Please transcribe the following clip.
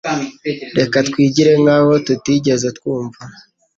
Reka twigire nkaho tutigeze twumva